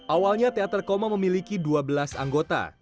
awalnya teater koma memiliki dua belas anggota